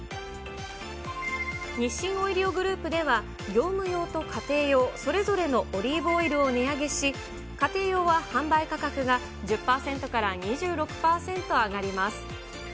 日清オイリオグループでは、業務用と家庭用それぞれのオリーブオイルを値上げし、家庭用は販売価格が１０％から２６％上がります。